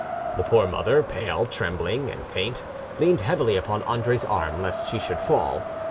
The poor mother, pale, trembling, and faint, leaned heavily upon Andre's arm, lest she should fall.